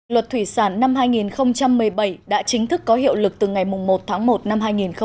luật thủy sản năm hai nghìn một mươi bảy đã chính thức có hiệu lực từ ngày một tháng một năm hai nghìn một mươi chín